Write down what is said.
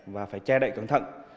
và phải che đậy cẩn thận